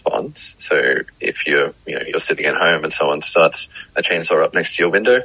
jadi jika anda duduk di rumah dan seseorang memulai menggunakan kabel di sebelah pintu anda